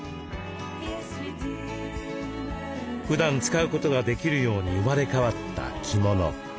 ふだん使うことができるように生まれ変わった着物。